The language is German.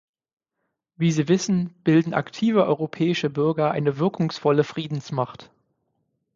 Wie Sie wissen, bilden aktive europäische Bürger eine wirkungsvolle Friedensmacht.